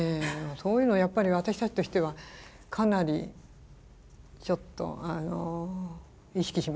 そういうのやっぱり私たちとしてはかなりちょっと意識しますよね。